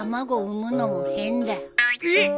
えっ？